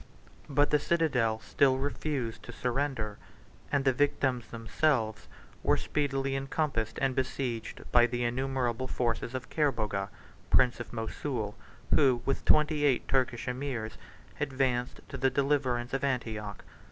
But the citadel still refused to surrender; and the victims themselves were speedily encompassed and besieged by the innumerable forces of Kerboga, prince of Mosul, who, with twenty eight Turkish emirs, advanced to the deliverance of Antioch.